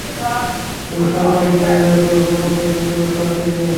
কিন্তু শোয়েব মালিক ফিরে যাওয়ার পরই হুড়মুড় করে ভেঙে পড়ে করাচির ইনিংস।